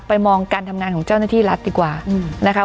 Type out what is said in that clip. มองการทำงานของเจ้าหน้าที่รัฐดีกว่านะคะ